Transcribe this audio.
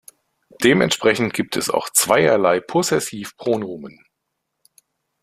Dementsprechend gibt es auch zweierlei Possessivpronomen.